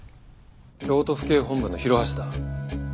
京都府警本部の広橋だ。